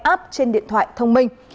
app trên điện thoại thông minh